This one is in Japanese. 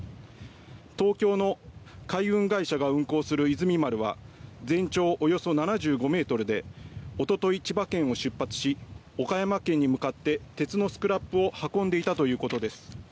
東京の海運会社が運航する「いずみ丸」は全長およそ７５ｍでおととい、千葉県を出発し岡山県に向かって鉄のスクラップを運んでいたということです。